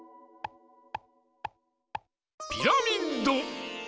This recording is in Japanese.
ピラミッド！